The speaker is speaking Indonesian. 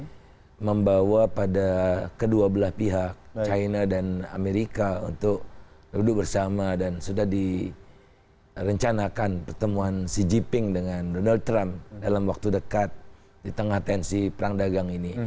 kita membawa pada kedua belah pihak china dan amerika untuk duduk bersama dan sudah direncanakan pertemuan xi jinping dengan donald trump dalam waktu dekat di tengah tensi perang dagang ini